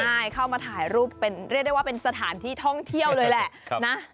ใช่เข้ามาถ่ายรูปเป็นเรียกได้ว่าเป็นสถานที่ท่องเที่ยวเลยแหละนะ